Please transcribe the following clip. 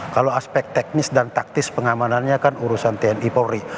kalau aspek teknis dan taktis pengamanannya kan urusan tni polri